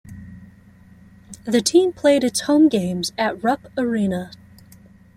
The team played its home games at Rupp Arena.